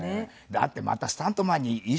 だってまたスタントマンに衣装